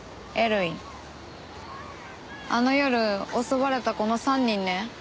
あの夜襲われたこの３人ね。